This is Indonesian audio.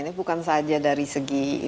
ini bukan saja dari segi